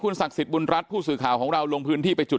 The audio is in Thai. ศักดิ์สิทธิบุญรัฐผู้สื่อข่าวของเราลงพื้นที่ไปจุด